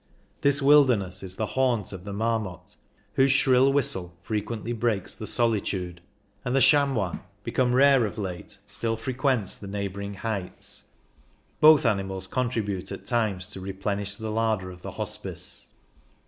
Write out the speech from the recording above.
This wilderness is the haunt of the marmot, whose shrill whistle frequently breaks the solitude ; and the chamois, become rare of late, still frequents the neighbouring heights; both animals contribute at times to replen ish the larder of the Hospice.